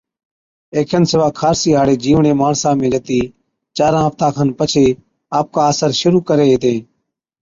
اي کن سِوا خارسِي هاڙين جِيوڙين ماڻسا ۾ جتِي چاران هفتان کن پڇي آپڪا اثر شرُوع ڪري هِتين